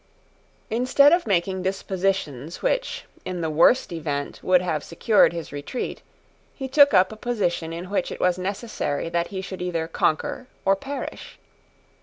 Instead of making dispositions which, in the worst event, would have secured his retreat, he took up a position in which it was necessary that he should either conquer or perish.